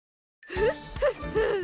フッフッフッ